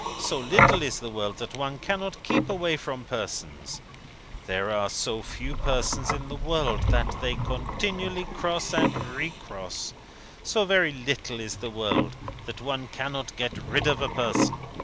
So little is the world, that one cannot keep away from persons. There are so few persons in the world, that they continually cross and re cross. So very little is the world, that one cannot get rid of a person.